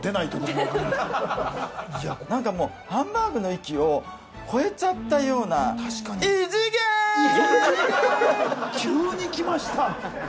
はっなんかもうハンバーグの域を超えちゃったような急に来ました